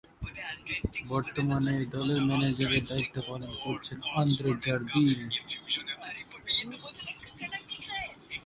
বর্তমানে এই দলের ম্যানেজারের দায়িত্ব পালন করছেন আন্দ্রে জার্দিনে।